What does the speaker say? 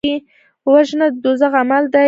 وژنه د دوزخ عمل دی